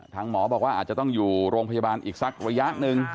หมอบอกว่าอาจจะต้องอยู่โรงพยาบาลอีกสักระยะหนึ่ง